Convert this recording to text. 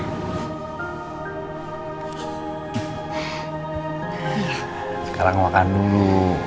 sekarang makan dulu